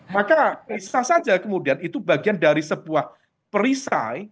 maka bisa saja kemudian itu bagian dari sebuah perisai